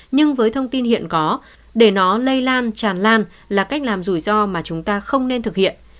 nhưng với thông tin hiện có để nó lây lan tràn lan là cách làm rủi ro mà chúng ta không nên thực hiện